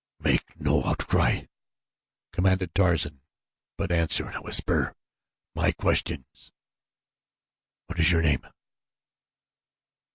"Make no outcry," commanded Tarzan; "but answer in a whisper my questions. What is your name?"